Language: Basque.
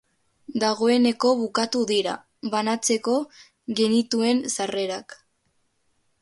Dagoeneko bukatu dira banatzeko genituen sarrerak.